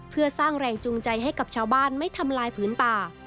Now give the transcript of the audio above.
เพื่อสร้างแรงจูงใจให้กับชาวบ้านไม่ทำลายผืนป่า